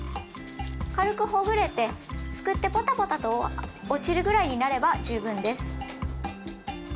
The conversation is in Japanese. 軽くほぐれてすくってポタポタと落ちるぐらいになれば十分です。